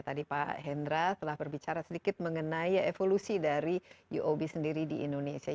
tadi pak hendra telah berbicara sedikit mengenai evolusi dari uob sendiri di indonesia